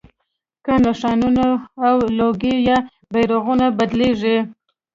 که نښانونه او لوګو یا بیرغونه بدلېږي.